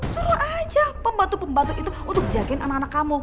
suruh aja pembantu pembantu itu untuk jagain anak anak kamu